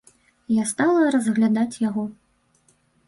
Я стала разглядаць яго.